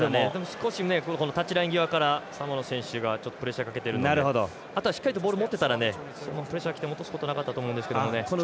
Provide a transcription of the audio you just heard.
少しタッチライン際からサモアの選手がプレッシャーかけてるのであとはしっかりとボールを持ってたらプレッシャー切っても落とすことなかったと思うんですけどね。